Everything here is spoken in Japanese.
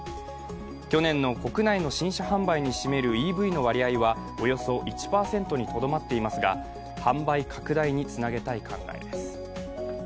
去年の国内の新車販売に占めるＥＶの割合はおよそ１％にとどまっていますが販売拡大につなげたい考えです。